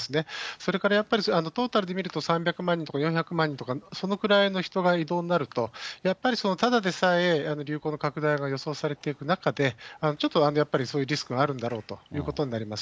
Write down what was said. それからやっぱり、トータルで見ると、３００万人とか４００万人とか、そのくらいの人が移動になると、やっぱりそのただでさえ、流行の拡大が予想されていく中で、ちょっと、やっぱりそういうリスクがあるんだろうということになります。